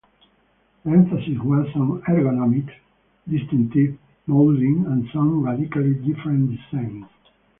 The emphasis was on ergonomics, distinctive moulding and some radically different designs.